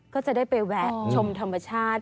ก็จะได้ไปแวะชมธรรมชาติ